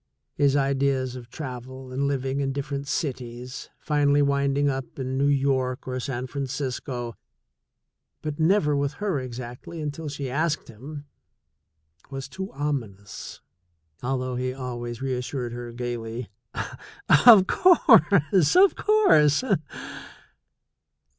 His ideas of travel and living in different cities, finally winding up in New York or San Francisco, but never with her exactly until she asked him, was too ominous, although he always reassured her gaily: "Of course! Of course!"